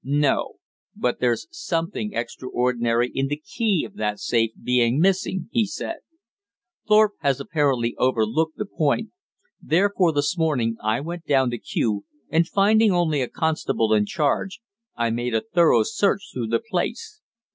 "No. But there's something extraordinary in the key of that safe being missing," he said. "Thorpe has apparently overlooked the point; therefore this morning I went down to Kew, and finding only a constable in charge, I made a thorough search through the place.